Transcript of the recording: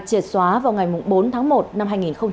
triệt xóa vào ngày bốn tháng một năm hai nghìn hai mươi